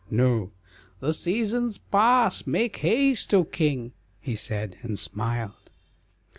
"No." "The seasons pass, Make haste, O king," he said, and smiled.